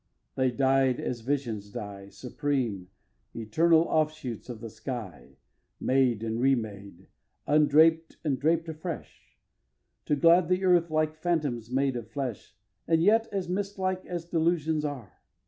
They died as visions die, Supreme, eternal, offshoots of the sky, Made and re made, undraped and draped afresh, To glad the earth like phantoms made of flesh, And yet as mistlike as delusions are!